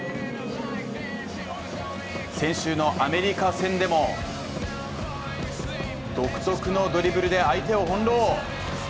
先週のアメリカ戦でも独特のドリブルで相手をほんろう。